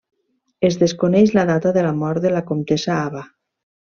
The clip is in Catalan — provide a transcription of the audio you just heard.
Es desconeix la data de la mort de la comtessa Ava.